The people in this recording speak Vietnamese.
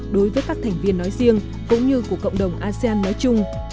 đối với các thành viên nói riêng cũng như của cộng đồng asean nói chung